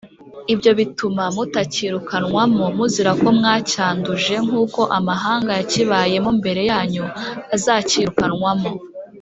Ibyo bizatuma mutacyirukanwamo muzira ko mwacyanduje nk uko amahanga yakibayemo mbere yanyu azacyirukanwamo